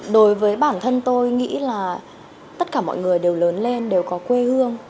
đối với bản thân tôi nghĩ là tất cả mọi người đều lớn lên đều có quê hương